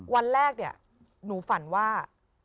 วันแรกเนี่ยหนูฝันว่า